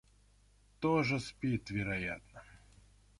Тоже спит, вероятно.